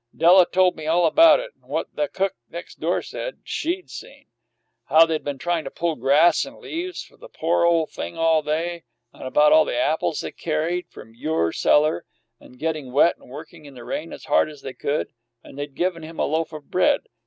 Della told me all about it, and what the cook next door said she'd seen, how they'd been trying to pull grass and leaves for the poor old thing all day and all about the apples they carried from your cellar, and getting wet and working in the rain as hard as they could and they'd given him a loaf of bread!